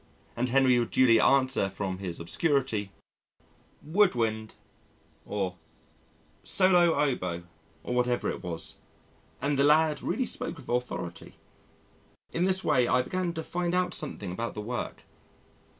And Henry would duly answer from his obscurity, "Wood wind," or "Solo oboe," or whatever it was, and the lad really spoke with authority. In this way, I began to find out something about the work.